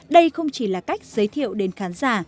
đây không chỉ là cách giới thiệu đến khán giả